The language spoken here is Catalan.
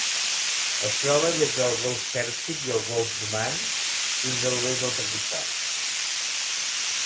Es troba des del Golf Pèrsic i el Golf d'Oman fins a l'oest del Pakistan.